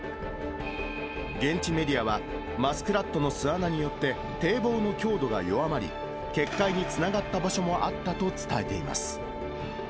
現地メディアは、マスクラットの巣穴によって、堤防の強度が弱まり、決壊につながった場所もあったと伝えています。